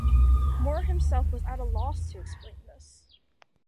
Moore himself was at a loss to explain this.